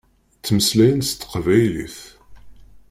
Ttmeslayent s teqbaylit.